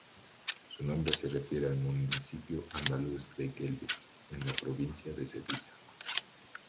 Su nombre se refiere al municipio andaluz de Gelves, en la provincia de Sevilla.